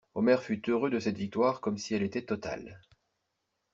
Omer fut heureux de cette victoire comme si elle était totale.